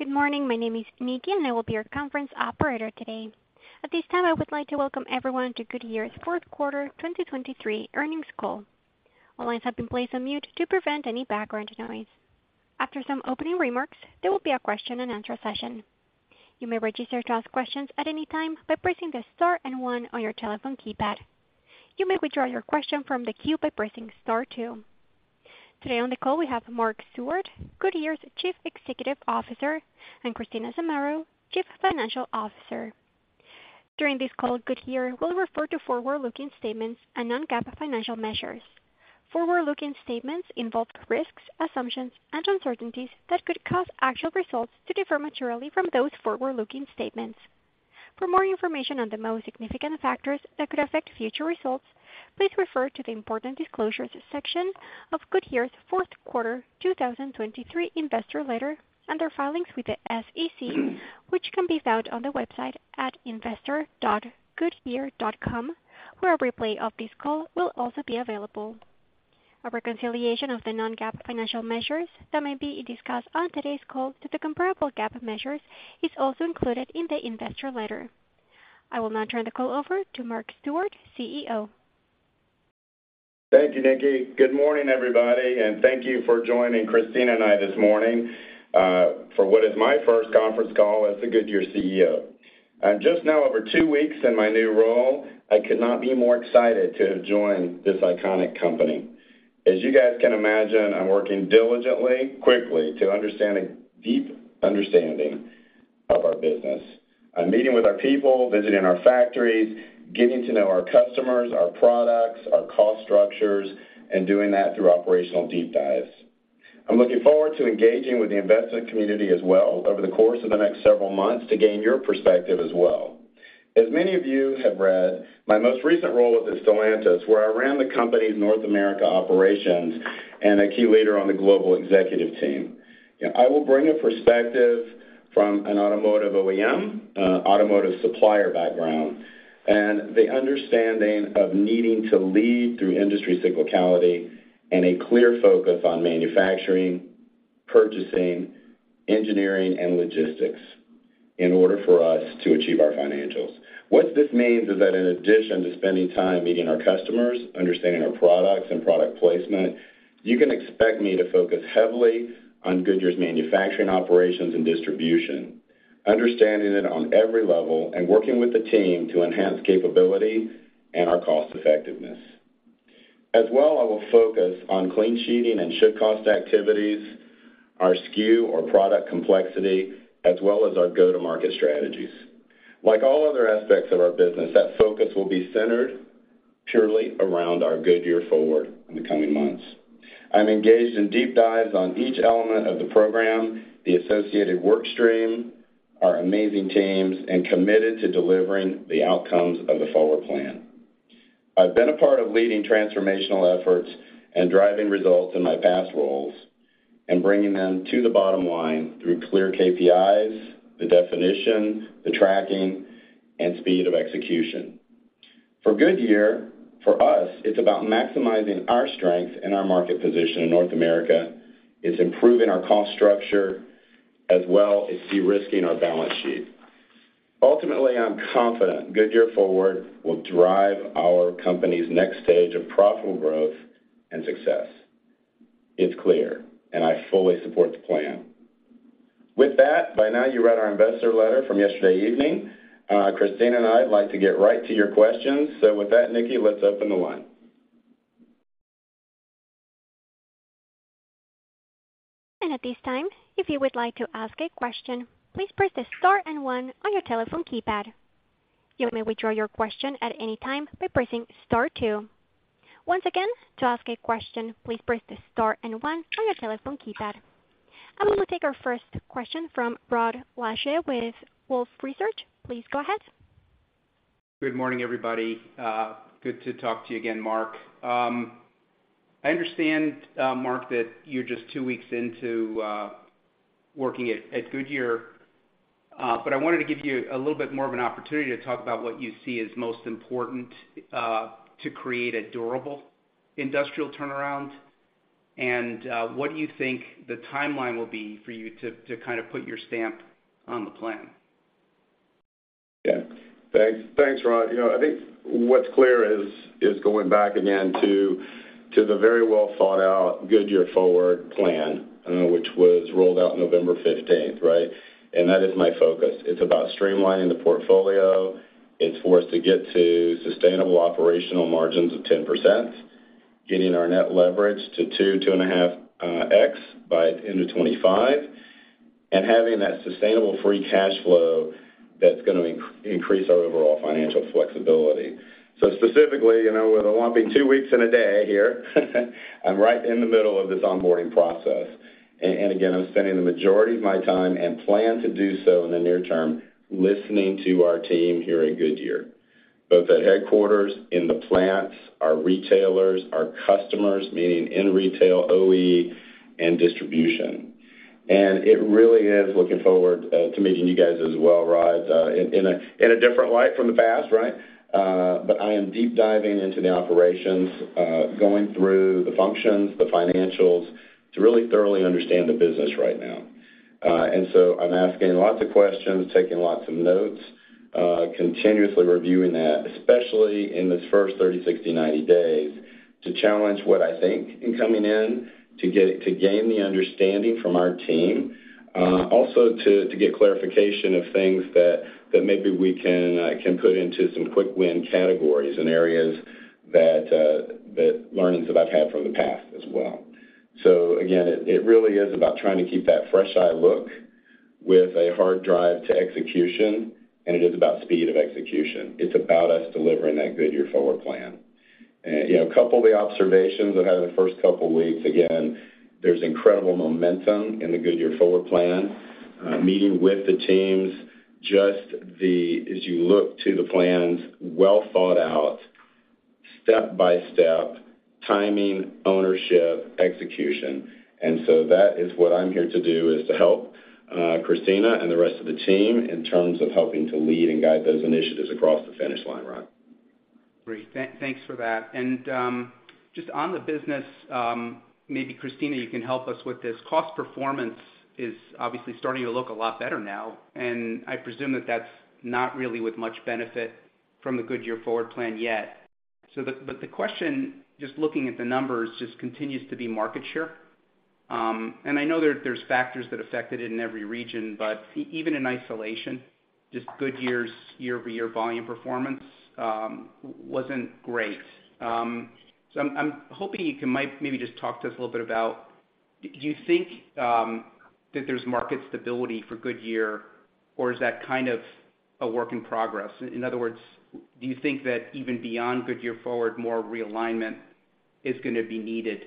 Good morning, my name is Nikki, and I will be your conference operator today. At this time, I would like to welcome everyone to Goodyear's fourth quarter, 2023, earnings call. All lines have been placed on mute to prevent any background noise. After some opening remarks, there will be a question-and-answer session. You may register to ask questions at any time by pressing the star and one on your telephone keypad. You may withdraw your question from the queue by pressing star two. Today on the call, we have Mark Stewart, Goodyear's Chief Executive Officer, and Christina Zamarro, Chief Financial Officer. During this call, Goodyear will refer to forward-looking statements and non-GAAP financial measures. Forward-looking statements involve risks, assumptions, and uncertainties that could cause actual results to differ materially from those forward-looking statements. For more information on the most significant factors that could affect future results, please refer to the Important Disclosures section of Goodyear's fourth quarter, 2023, investor letter and their filings with the SEC, which can be found on the website at investor.goodyear.com, where a replay of this call will also be available. A reconciliation of the non-GAAP financial measures that may be discussed on today's call to the comparable GAAP measures is also included in the investor letter. I will now turn the call over to Mark Stewart, CEO. Thank you, Nikki. Good morning, everybody, and thank you for joining Christina and I this morning for what is my first conference call as the Goodyear CEO. I'm just now over two weeks in my new role. I could not be more excited to have joined this iconic company. As you guys can imagine, I'm working diligently, quickly, to understand a deep understanding of our business. I'm meeting with our people, visiting our factories, getting to know our customers, our products, our cost structures, and doing that through operational deep dives. I'm looking forward to engaging with the investment community as well over the course of the next several months to gain your perspective as well. As many of you have read, my most recent role was at Stellantis, where I ran the company's North America operations and a key leader on the global executive team. I will bring a perspective from an automotive OEM, automotive supplier background, and the understanding of needing to lead through industry cyclicality and a clear focus on manufacturing, purchasing, engineering, and logistics in order for us to achieve our financials. What this means is that in addition to spending time meeting our customers, understanding our products, and product placement, you can expect me to focus heavily on Goodyear's manufacturing operations and distribution, understanding it on every level, and working with the team to enhance capability and our cost-effectiveness. As well, I will focus on clean sheeting and should-cost activities, our SKU or product complexity, as well as our go-to-market strategies. Like all other aspects of our business, that focus will be centered purely around our Goodyear Forward in the coming months. I'm engaged in deep dives on each element of the program, the associated workstream, our amazing teams, and committed to delivering the outcomes of the forward plan. I've been a part of leading transformational efforts and driving results in my past roles and bringing them to the bottom line through clear KPIs, the definition, the tracking, and speed of execution. For Goodyear, for us, it's about maximizing our strength and our market position in North America. It's improving our cost structure, as well as de-risking our balance sheet. Ultimately, I'm confident Goodyear Forward will drive our company's next stage of profitable growth and success. It's clear, and I fully support the plan. With that, by now you read our investor letter from yesterday evening. Christina and I would like to get right to your questions. So with that, Nikki, let's open the line. At this time, if you would like to ask a question, please press the star and one on your telephone keypad. You may withdraw your question at any time by pressing star two. Once again, to ask a question, please press the star and one on your telephone keypad. I will take our first question from Rod Lache with Wolfe Research. Please go ahead. Good morning, everybody. Good to talk to you again, Mark. I understand, Mark, that you're just two weeks into working at Goodyear, but I wanted to give you a little bit more of an opportunity to talk about what you see as most important to create a durable industrial turnaround and what do you think the timeline will be for you to kind of put your stamp on the plan? Yeah. Thanks, Rod. I think what's clear is going back again to the very well-thought-out Goodyear Forward plan, which was rolled out November 15th, right? And that is my focus. It's about streamlining the portfolio. It's for us to get to sustainable operational margins of 10%, getting our net leverage to 2-2.5x by the end of 2025, and having that sustainable free cash flow that's going to increase our overall financial flexibility. So specifically, with a whopping 2 weeks and a day here, I'm right in the middle of this onboarding process. And again, I'm spending the majority of my time and plan to do so in the near term listening to our team here at Goodyear, both at headquarters, in the plants, our retailers, our customers, meaning in retail, OE, and distribution. And it really is looking forward to meeting you guys as well, Rod, in a different light from the past, right? But I am deep diving into the operations, going through the functions, the financials to really thoroughly understand the business right now. And so I'm asking lots of questions, taking lots of notes, continuously reviewing that, especially in this first 30, 60, 90 days, to challenge what I think in coming in, to gain the understanding from our team, also to get clarification of things that maybe we can put into some quick win categories and areas that learnings that I've had from the past as well. So again, it really is about trying to keep that fresh-eye look with a hard drive to execution, and it is about speed of execution. It's about us delivering that Goodyear Forward plan. A couple of the observations I've had in the first couple of weeks, again, there's incredible momentum in the Goodyear Forward plan. Meeting with the teams, just as you look to the plans, well-thought-out step-by-step timing, ownership, execution. And so that is what I'm here to do, is to help Christina and the rest of the team in terms of helping to lead and guide those initiatives across the finish line, Rod. Great. Thanks for that. And just on the business, maybe Christina, you can help us with this. Cost performance is obviously starting to look a lot better now, and I presume that that's not really with much benefit from the Goodyear Forward plan yet. But the question, just looking at the numbers, just continues to be market share. And I know there's factors that affect it in every region, but even in isolation, just Goodyear's year-over-year volume performance wasn't great. So I'm hoping you can maybe just talk to us a little bit about do you think that there's market stability for Goodyear, or is that kind of a work in progress? In other words, do you think that even beyond Goodyear Forward, more realignment is going to be needed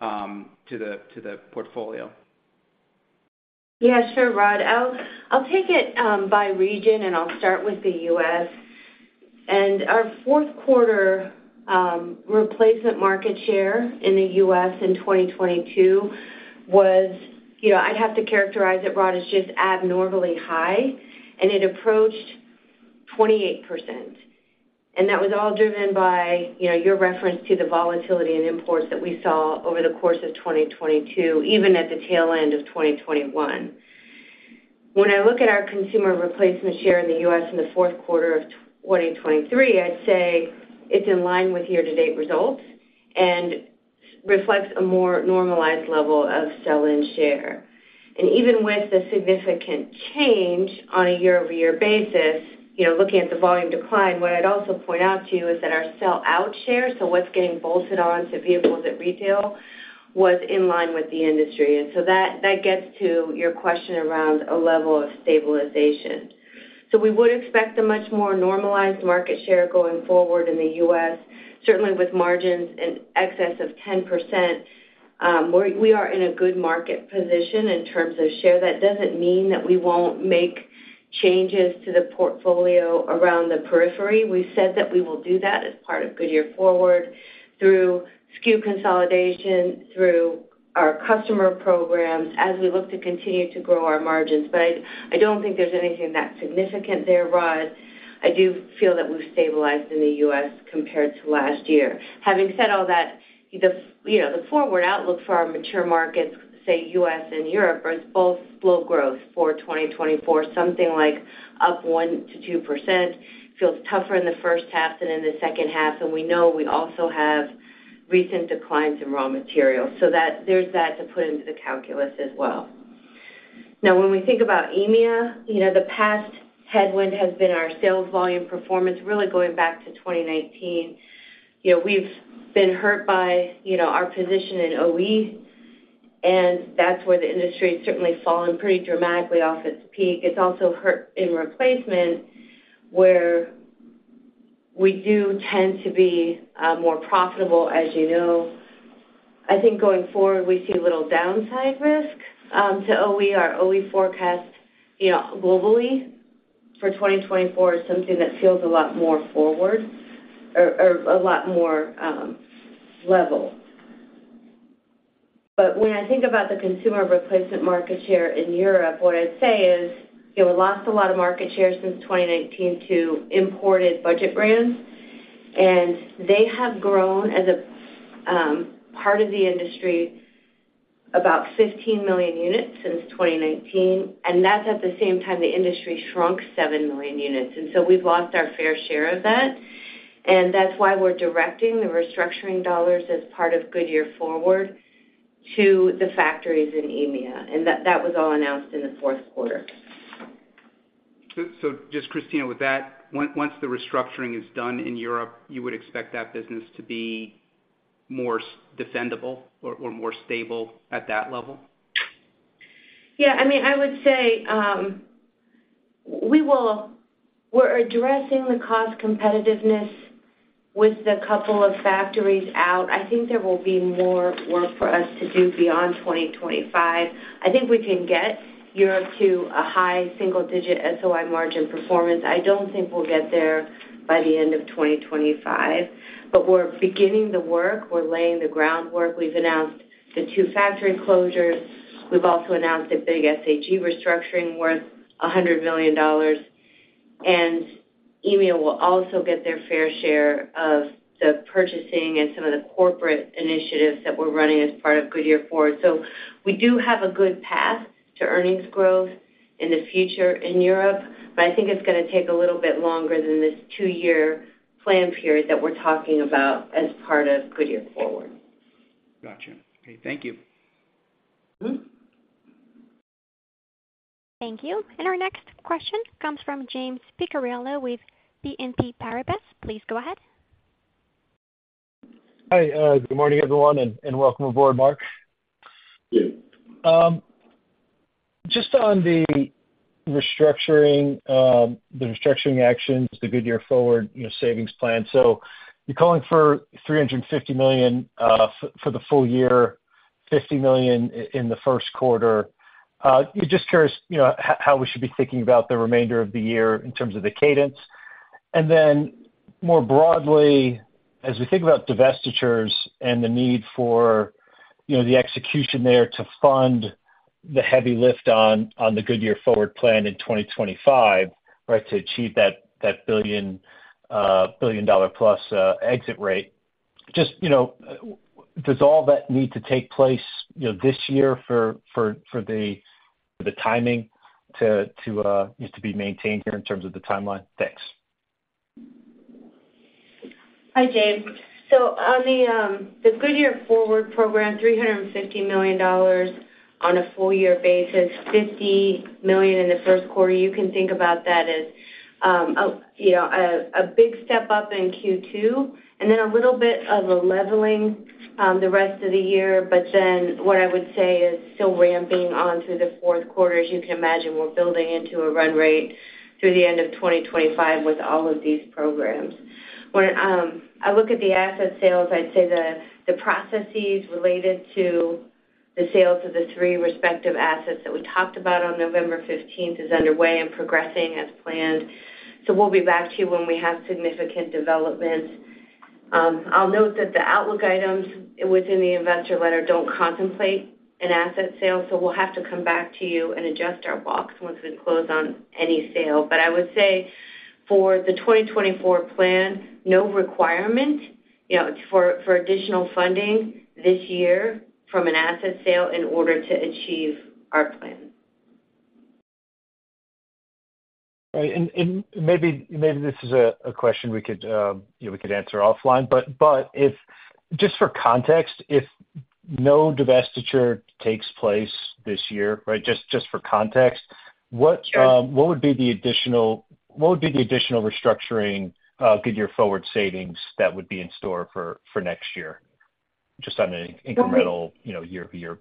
to the portfolio? Yeah, sure, Rod. I'll take it by region, and I'll start with the U.S. Our fourth quarter replacement market share in the U.S. in 2022 was I'd have to characterize it, Rod, as just abnormally high, and it approached 28%. That was all driven by your reference to the volatility in imports that we saw over the course of 2022, even at the tail end of 2021. When I look at our consumer replacement share in the U.S. in the fourth quarter of 2023, I'd say it's in line with year-to-date results and reflects a more normalized level of sell-in share. Even with the significant change on a year-over-year basis, looking at the volume decline, what I'd also point out to you is that our sell-out share, so what's getting bolted onto vehicles at retail, was in line with the industry. That gets to your question around a level of stabilization. We would expect a much more normalized market share going forward in the U.S., certainly with margins in excess of 10%. We are in a good market position in terms of share. That doesn't mean that we won't make changes to the portfolio around the periphery. We've said that we will do that as part of Goodyear Forward through SKU consolidation, through our customer programs, as we look to continue to grow our margins. I don't think there's anything that significant there, Rod. I do feel that we've stabilized in the U.S. compared to last year. Having said all that, the forward outlook for our mature markets, say U.S. and Europe, is both slow growth for 2024, something like up 1%-2%. It feels tougher in the first half than in the second half, and we know we also have recent declines in raw materials. So there's that to put into the calculus as well. Now, when we think about EMEA, the past headwind has been our sales volume performance, really going back to 2019. We've been hurt by our position in OE, and that's where the industry has certainly fallen pretty dramatically off its peak. It's also hurt in replacement, where we do tend to be more profitable, as you know. I think going forward, we see little downside risk to OE. OE forecast globally for 2024 is something that feels a lot more forward or a lot more level. But when I think about the consumer replacement market share in Europe, what I'd say is we lost a lot of market share since 2019 to imported budget brands, and they have grown as a part of the industry about 15 million units since 2019. That's at the same time the industry shrunk 7 million units. So we've lost our fair share of that, and that's why we're directing the restructuring dollars as part of Goodyear Forward to the factories in EMEA. That was all announced in the fourth quarter. Just Christina, with that, once the restructuring is done in Europe, you would expect that business to be more defendable or more stable at that level? Yeah. I mean, I would say we're addressing the cost competitiveness with the couple of factories out. I think there will be more work for us to do beyond 2025. I think we can get Europe to a high single-digit SOI margin performance. I don't think we'll get there by the end of 2025, but we're beginning the work. We're laying the groundwork. We've announced the two factory closures. We've also announced a big SAG restructuring worth $100 million. And EMEA will also get their fair share of the purchasing and some of the corporate initiatives that we're running as part of Goodyear Forward. So we do have a good path to earnings growth in the future in Europe, but I think it's going to take a little bit longer than this two-year plan period that we're talking about as part of Goodyear Forward. Gotcha. Okay. Thank you. Thank you. Our next question comes from James Picariello with BNP Paribas. Please go ahead. Hi. Good morning, everyone, and welcome aboard, Mark. Good. Just on the restructuring actions, the Goodyear Forward savings plan. So you're calling for $350 million for the full year, $50 million in the first quarter. Just curious how we should be thinking about the remainder of the year in terms of the cadence. And then more broadly, as we think about divestitures and the need for the execution there to fund the heavy lift on the Goodyear Forward plan in 2025, right, to achieve that billion-dollar-plus exit rate, just does all that need to take place this year for the timing to be maintained here in terms of the timeline? Thanks. Hi, James. So on the Goodyear Forward program, $350 million on a full-year basis, $50 million in the first quarter. You can think about that as a big step up in Q2 and then a little bit of a leveling the rest of the year. But then what I would say is still ramping on through the fourth quarter. As you can imagine, we're building into a run rate through the end of 2025 with all of these programs. When I look at the asset sales, I'd say the processes related to the sales of the three respective assets that we talked about on November 15th is underway and progressing as planned. So we'll be back to you when we have significant developments. I'll note that the outlook items within the investor letter don't contemplate an asset sale, so we'll have to come back to you and adjust our box once we close on any sale. But I would say for the 2024 plan, no requirement for additional funding this year from an asset sale in order to achieve our plan. Right. And maybe this is a question we could answer offline, but just for context, if no divestiture takes place this year, right, just for context, what would be the additional restructuring Goodyear Forward savings that would be in store for next year, just on an incremental year-over-year?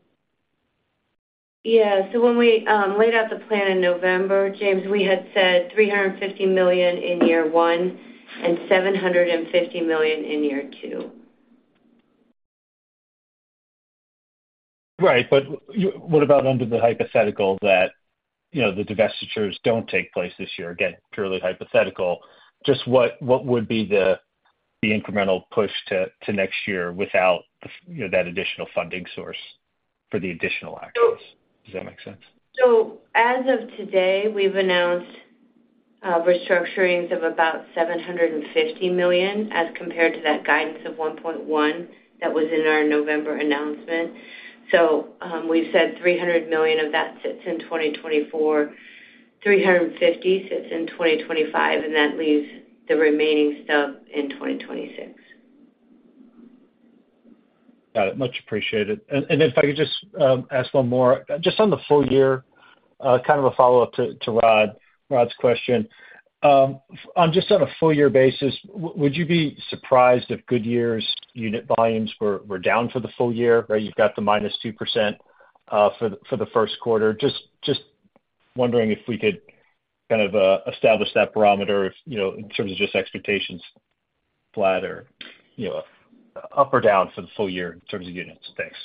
Yeah. So when we laid out the plan in November, James, we had said $350 million in year one and $750 million in year two. Right. But what about under the hypothetical that the divestitures don't take place this year? Again, purely hypothetical. Just what would be the incremental push to next year without that additional funding source for the additional actions? Does that make sense? As of today, we've announced restructurings of about $750 million as compared to that guidance of $1.1 billion that was in our November announcement. We've said $300 million of that sits in 2024, $350 million sits in 2025, and that leaves the remaining stub in 2026. Got it. Much appreciated. And then if I could just ask one more, just on the full year, kind of a follow-up to Rod's question. Just on a full-year basis, would you be surprised if Goodyear's unit volumes were down for the full year, right? You've got the -2% for the first quarter. Just wondering if we could kind of establish that barometer in terms of just expectations flat or up or down for the full year in terms of units. Thanks.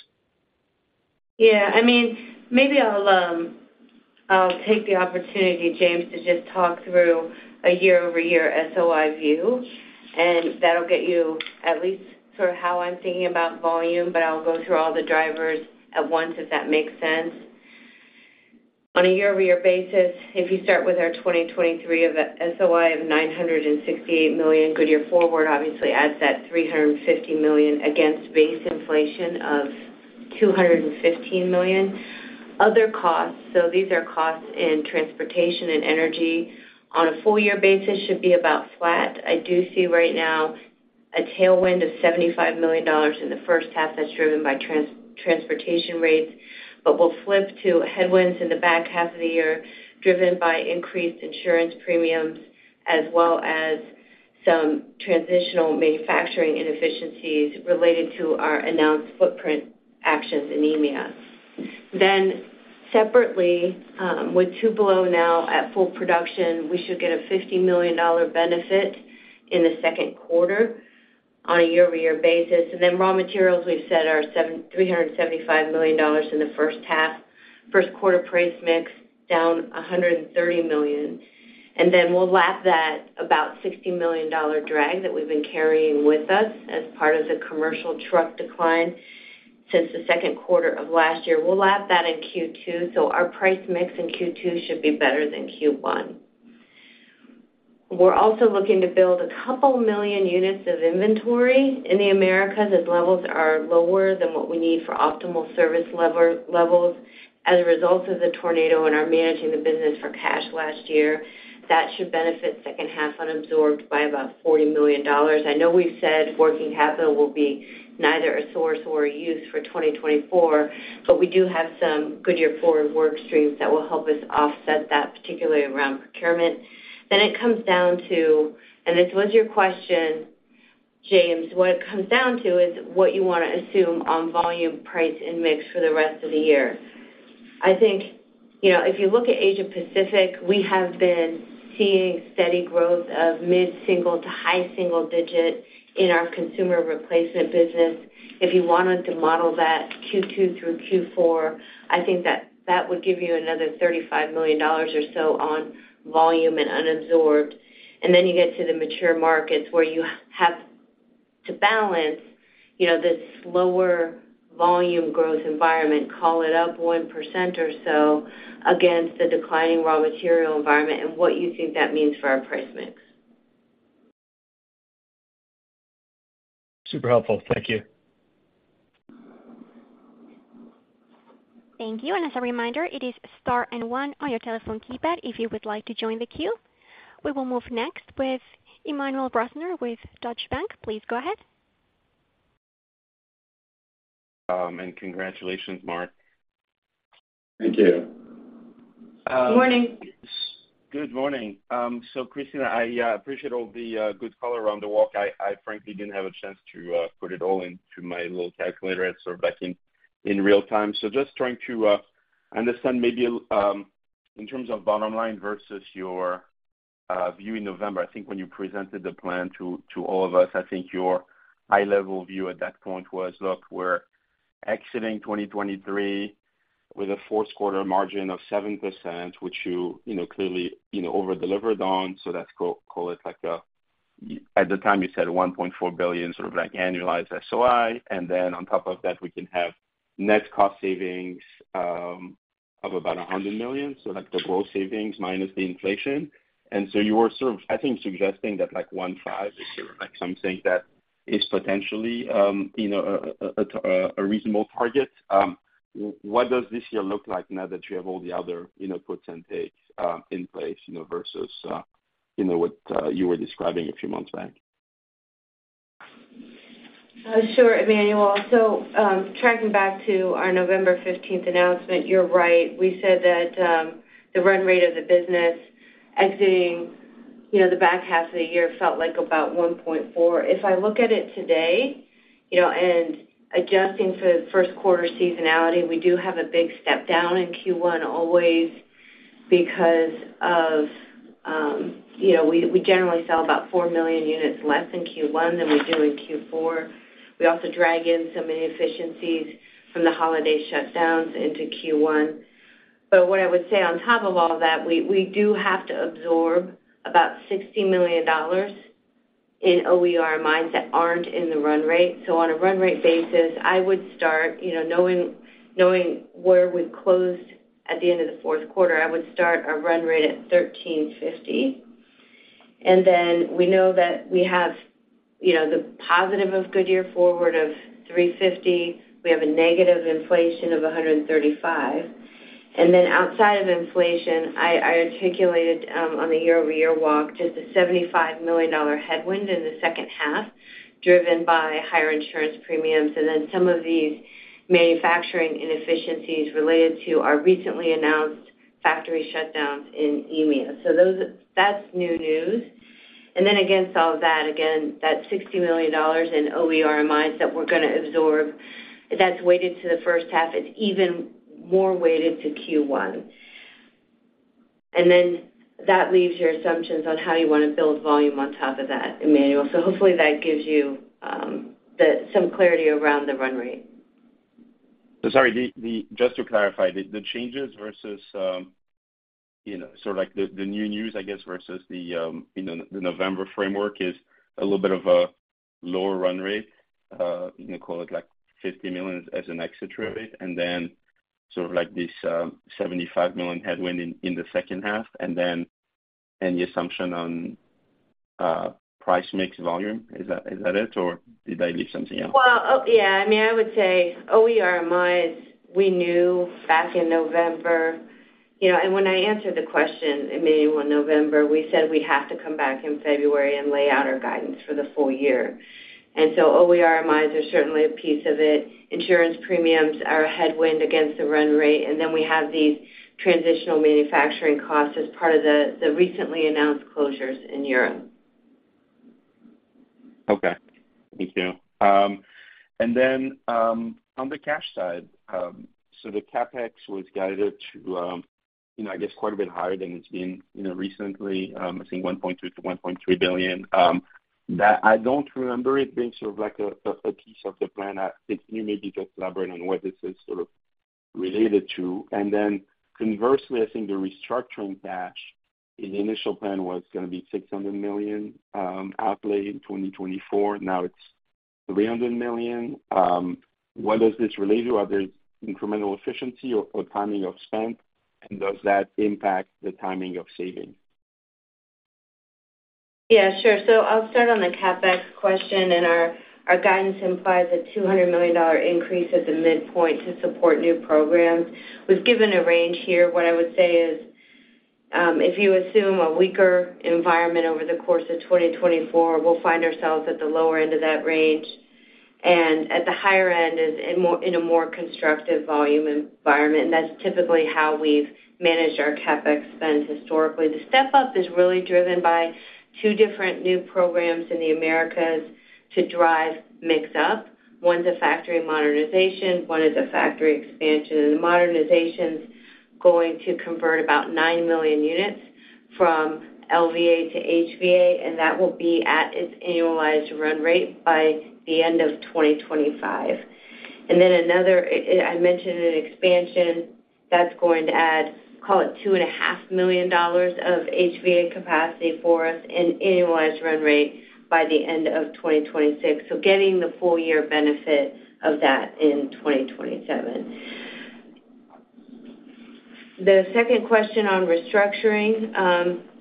Yeah. I mean, maybe I'll take the opportunity, James, to just talk through a year-over-year SOI view, and that'll get you at least sort of how I'm thinking about volume, but I'll go through all the drivers at once, if that makes sense. On a year-over-year basis, if you start with our 2023 SOI of $968 million, Goodyear Forward obviously adds that $350 million against base inflation of $215 million. Other costs, so these are costs in transportation and energy, on a full-year basis should be about flat. I do see right now a tailwind of $75 million in the first half that's driven by transportation rates, but we'll flip to headwinds in the back half of the year driven by increased insurance premiums as well as some transitional manufacturing inefficiencies related to our announced footprint actions in EMEA. Then separately, with Tupelo now at full production, we should get a $50 million benefit in the second quarter on a year-over-year basis. And then raw materials, we've set our $375 million in the first half, first quarter price mix down $130 million. And then we'll lap that about $60 million drag that we've been carrying with us as part of the commercial truck decline since the second quarter of last year. We'll lap that in Q2. So our price mix in Q2 should be better than Q1. We're also looking to build a couple million units of inventory in the Americas as levels are lower than what we need for optimal service levels. As a result of the tornado and our managing the business for cash last year, that should benefit second half unabsorbed by about $40 million. I know we've said working capital will be neither a source nor a use for 2024, but we do have some Goodyear Forward work streams that will help us offset that, particularly around procurement. Then it comes down to, and this was your question, James. What it comes down to is what you want to assume on volume, price, and mix for the rest of the year. I think if you look at Asia-Pacific, we have been seeing steady growth of mid-single- to high-single-digit in our consumer replacement business. If you wanted to model that Q2 through Q4, I think that would give you another $35 million or so on volume and unabsorbed. And then you get to the mature markets where you have to balance this lower volume growth environment, call it up 1% or so, against the declining raw material environment and what you think that means for our price mix. Super helpful. Thank you. Thank you. As a reminder, it is star and one on your telephone keypad if you would like to join the queue. We will move next with Emmanuel Rosner with Deutsche Bank. Please go ahead. Congratulations, Mark. Thank you. Good morning. Good morning. So Christina, I appreciate all the good color around the call. I, frankly, didn't have a chance to put it all into my little calculator. It came back in real time. So just trying to understand maybe in terms of bottom line versus your view in November. I think when you presented the plan to all of us, I think your high-level view at that point was, "Look, we're exiting 2023 with a fourth-quarter margin of 7%," which you clearly overdelivered on. So let's call it like a at the time, you said $1.4 billion sort of annualized SOI. And then on top of that, we can have net cost savings of about $100 million, so the gross savings minus the inflation. And so you were sort of, I think, suggesting that $1.5 billion is sort of something that is potentially a reasonable target. What does this year look like now that you have all the other puts and takes in place versus what you were describing a few months back? Sure, Emmanuel. So tracking back to our November 15th announcement, you're right. We said that the run rate of the business exiting the back half of the year felt like about 1.4. If I look at it today and adjusting for the first quarter seasonality, we do have a big step down in Q1 always because of we generally sell about 4 million units less in Q1 than we do in Q4. We also drag in some inefficiencies from the holiday shutdowns into Q1. But what I would say on top of all that, we do have to absorb about $60 million in OTR, mines that aren't in the run rate. So on a run rate basis, I would start knowing where we closed at the end of the fourth quarter, I would start a run rate at 1,350. Then we know that we have the positive of Goodyear Forward of $350 million. We have a negative inflation of $135 million. And then outside of inflation, I articulated on the year-over-year walk just a $75 million headwind in the second half driven by higher insurance premiums and then some of these manufacturing inefficiencies related to our recently announced factory shutdowns in EMEA. So that's new news. And then against all of that, again, that $60 million in OTR and mines that we're going to absorb, that's weighted to the first half. It's even more weighted to Q1. And then that leaves your assumptions on how you want to build volume on top of that, Emmanuel. So hopefully, that gives you some clarity around the run rate. So sorry, just to clarify, the changes versus sort of the new news, I guess, versus the November framework is a little bit of a lower run rate. Call it like $50 million as an exit rate, and then sort of like this $75 million headwind in the second half, and then any assumption on price mix volume. Is that it, or did I leave something out? Well, yeah. I mean, I would say OTR and mines, we knew back in November. And when I answered the question, Emmanuel, in November, we said we have to come back in February and lay out our guidance for the full year. And so OTR and mines are certainly a piece of it. Insurance premiums are a headwind against the run rate. And then we have these transitional manufacturing costs as part of the recently announced closures in Europe. Okay. Thank you. And then on the cash side, so the CapEx was guided to, I guess, quite a bit higher than it's been recently, I think $1.2 billion-$1.3 billion. I don't remember it being sort of like a piece of the plan. I think you may be just elaborating on what this is sort of related to. And then conversely, I think the restructuring cash, the initial plan was going to be $600 million outlay in 2024. Now it's $300 million. What does this relate to? Are there incremental efficiency or timing of spend? And does that impact the timing of savings? Yeah, sure. So I'll start on the CapEx question. Our guidance implies a $200 million increase at the midpoint to support new programs. We've given a range here. What I would say is if you assume a weaker environment over the course of 2024, we'll find ourselves at the lower end of that range. At the higher end is in a more constructive volume environment. That's typically how we've managed our CapEx spend historically. The step-up is really driven by two different new programs in the Americas to drive mix-up. One's a factory modernization. One is a factory expansion. The modernization's going to convert about 9 million units from LVA to HVA, and that will be at its annualized run rate by the end of 2025. Then another, I mentioned an expansion that's going to add, call it $2.5 million of HVA capacity for us in annualized run rate by the end of 2026. So getting the full-year benefit of that in 2027. The second question on restructuring,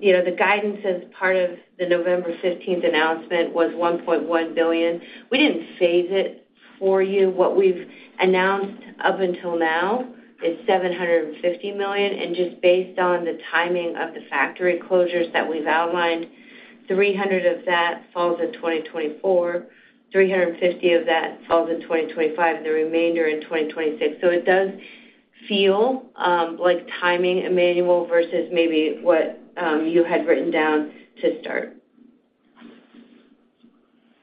the guidance as part of the November 15th announcement was $1.1 billion. We didn't phase it for you. What we've announced up until now is $750 million. And just based on the timing of the factory closures that we've outlined, $300 million of that falls in 2024, $350 million of that falls in 2025, and the remainder in 2026. So it does feel like timing, Emmanuel, versus maybe what you had written down to start.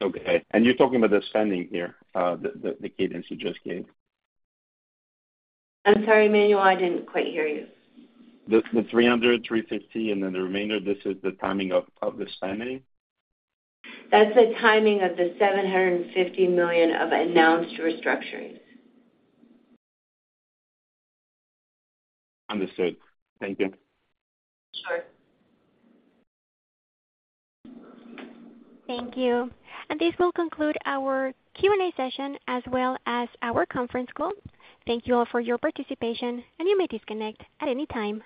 Okay. And you're talking about the spending here, the cadence you just gave? I'm sorry, Emmanuel. I didn't quite hear you. The 300, 350, and then the remainder, this is the timing of the spending? That's the timing of the $750 million of announced restructuring. Understood. Thank you. Sure. Thank you. This will conclude our Q&A session as well as our conference call. Thank you all for your participation, and you may disconnect at any time.